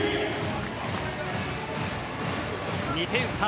２点差。